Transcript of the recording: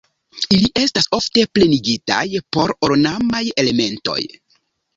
Ili estas ofte plenigitaj per ornamaj elementoj.